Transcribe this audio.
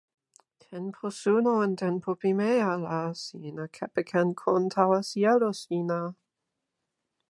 tenpo suno en tenpo pimeja la sina kepeken kon tawa sijelo sina.